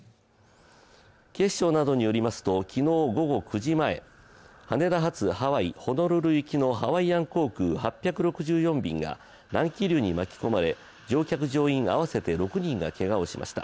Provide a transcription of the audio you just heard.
警視庁などによりますと昨日午後９時前、羽田発ハワイ・ホノルル行きのハワイアン航空８６４便が乱気流に巻き込まれ乗客・乗員合わせて６人がけがをしました。